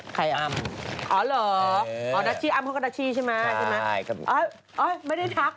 อ๋อเหรอดัชี้อัมเขาก็ดัชี้ใช่ไหมครับใช่